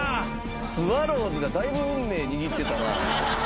スワローズがだいぶ運命握ってたな。